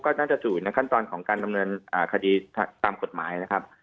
ก็น่าจะอยู่ในขั้นตอนของการดำเนินคดีตามกฎหมายนะครับ